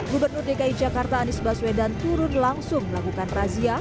gubernur dki jakarta anies baswedan turun langsung melakukan razia